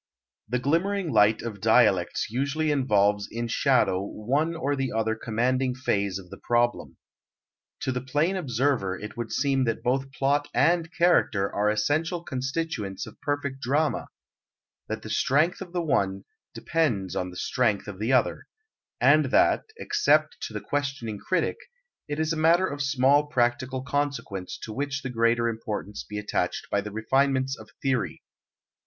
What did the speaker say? The glimmering light of dialectics usually involves in shadow one or other commanding phase of the problem. To the plain observer it would seem that both plot and character are essential constituents of perfect drama; that the strength of the one depends on the strength of the other; and that, except to the questioning critic, it is a matter of small practical consequence to which the greater importance be attached by the refinements of theory.